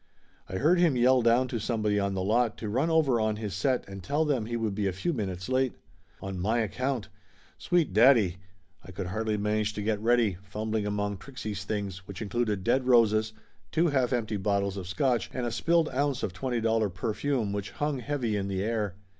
I heard him yell down to somebody on the lot to run over on his set and tell them he would be a few min utes late. On my account! Sweet daddy! I could hardly manage to get ready, fumbling among Trixie' s things, which included dead roses, two half empty bottles of Scotch, and a spilled ounce of twenty dollar perfume which hung heavy in the air.